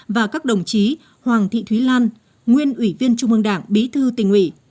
và các đồng chí hoàng thị thúy lan nguyên ủy viên trung ương đảng bí thư tỉnh ủy